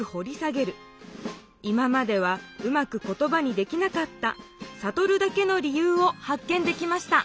今まではうまく言ばにできなかったサトルだけの理由を発見できました